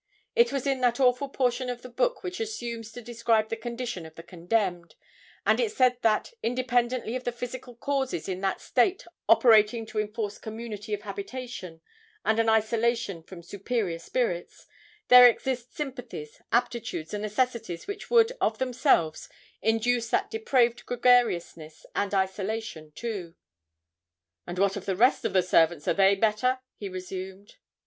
It was in that awful portion of the book which assumes to describe the condition of the condemned; and it said that, independently of the physical causes in that state operating to enforce community of habitation, and an isolation from superior spirits, there exist sympathies, aptitudes, and necessities which would, of themselves, induce that depraved gregariousness, and isolation too. 'And what of the rest of the servants, are they better?' he resumed.